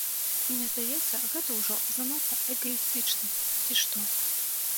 Мне здаецца, гэта ўжо занадта эгаістычна, ці што.